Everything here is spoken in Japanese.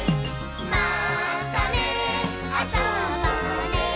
「またねあそぼうね